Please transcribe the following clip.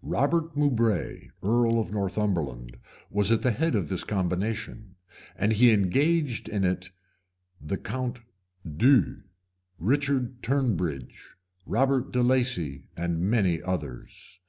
{1095.} Robert Moubray, earl of Northumberland, was at the head of this combination; and he engaged in it the count d'Eu, Richard de Tunbridge, Roger de Lacy, and many others.